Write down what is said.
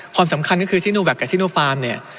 ความสำคัญก็คือซิโนแวคกับซิโนฟาร์มเนี่ย